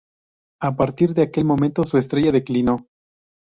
A partir de aquel momento su estrella declinó.